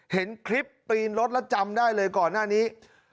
เห็นคลิปปีนรถแล้วจำได้เลยก่อนหน้านี้